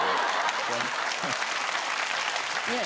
ねえ。